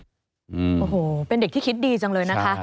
โอ้โหเป็นเด็กที่คิดดีจังเลยนะคะ